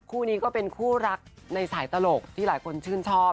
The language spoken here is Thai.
คู่นี้ก็เป็นคู่รักในสายตลกที่หลายคนชื่นชอบ